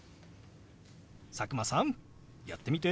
佐久間さんやってみて。